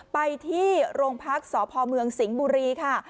ไปที่โรงพักษ์สพเมืองสิงห์บุรีค่ะ